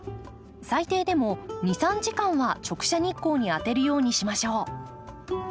最低でも２３時間は直射日光に当てるようにしましょう。